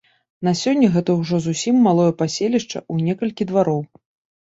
На сёння гэта ўжо зусім малое паселішча ў некалькі двароў.